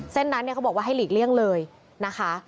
เส้นนั้นเนี่ยเขาบอกว่าให้หลีกเลี่ยงเลยนะคะ